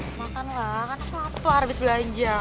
makanlah karena aku lapar habis belanja